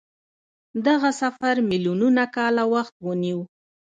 دغه سفر میلیونونه کاله وخت ونیو.